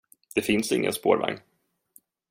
Det finns ingen spårvagn.